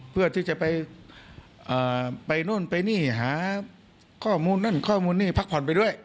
เพื่อที่จะไปนู่นไปนี่หาข้อมูลนั่นข้อมูลนี่พักผ่อนไปด้วย